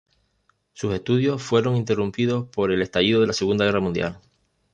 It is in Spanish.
Sus estudios fueron interrumpidos por el estallido de la Segunda Guerra Mundial.